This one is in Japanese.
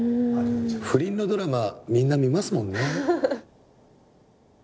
不倫のドラマみんな見ますもんね。